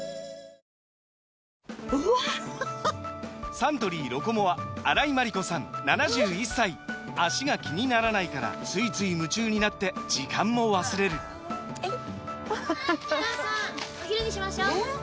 サントリー「ロコモア」荒井眞理子さん７１歳脚が気にならないからついつい夢中になって時間も忘れるお母さんお昼にしましょうえー